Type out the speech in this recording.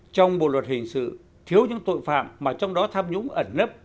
trong bộ luật hình sự thiếu những tội phạm mà trong đó tham nhũng ẩn nấp